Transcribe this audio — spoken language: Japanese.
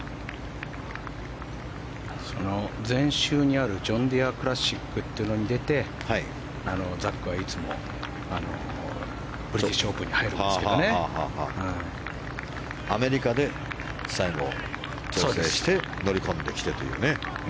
その前週にあるジョンディアクラシックっていうのに出てザックはいつもブリティッシュオープンにアメリカで最後調整して乗り込んできてという。